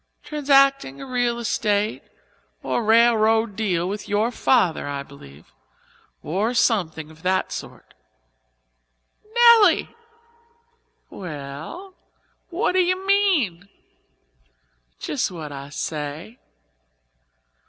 "Transacting a real estate or railroad deal with your father, I believe, or something of that sort." "Nelly!" "Well?" "What do you mean?" "Just what I say."